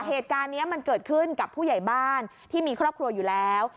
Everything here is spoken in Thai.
เหตุการณ์นี้มันเกิดขึ้นกับผู้ใหญ่บ้านที่มีครอบครัวอยู่แล้ว